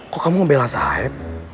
kok kamu ngebela sahib